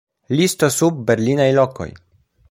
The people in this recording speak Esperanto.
Listo sub Berlinaj lokoj.